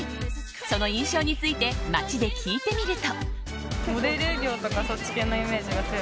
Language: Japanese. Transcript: その印象について街で聞いてみると。